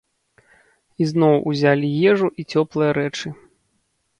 Ізноў узялі ежу і цёплыя рэчы.